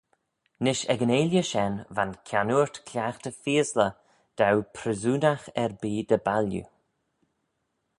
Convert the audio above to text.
Nish ec yn 'eailley shen va'n kiannoort cliaghtey feaysley daue pryssoonagh erbee dy bailloo.